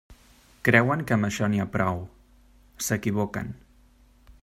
Creuen que amb això n'hi ha prou; s'equivoquen.